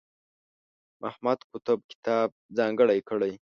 محمد قطب کتاب ځانګړی کړی.